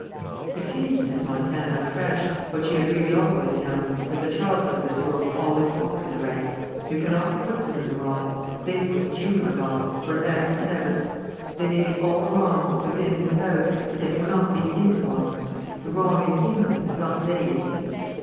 It came to Miss Montana afresh, what she had really always known, that the Charleses of this world always are in the right. You cannot put them in the wrong. They put you in the wrong, for ever and ever. They may be all wrong, within and without, but they cannot be in the wrong. The wrong is in them, not they in it.